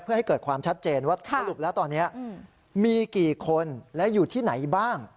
เพื่อให้เกิดความชัดเจนว่าสรุปแล้วตอนนี้มีกี่คนและอยู่ที่ไหนบ้าง